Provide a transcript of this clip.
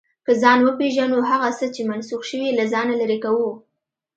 که ځان وپېژنو، هغه څه چې منسوخ شوي، له ځانه لرې کوو.